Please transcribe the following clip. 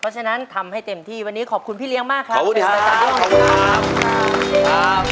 เพราะฉะนั้นทำให้เต็มที่วันนี้ขอบคุณพี่เลี้ยงมากครับขอบคุณครับ